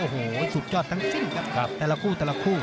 โอ้โหสุดยอดทั้งสิ้นครับแต่ละคู่แต่ละคู่